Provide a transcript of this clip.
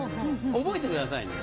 覚えてくださいね。